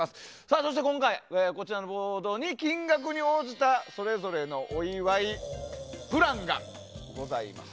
そして今回、ボードに金額に応じたそれぞれのお祝いプランがございます。